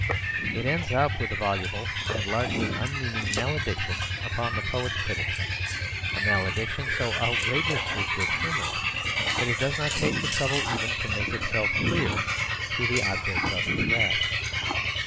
It ends up with a voluble and largely unmeaning malediction upon the poet's critics, a malediction so outrageously good humoured that it does not take the trouble even to make itself clear to the objects of its wrath.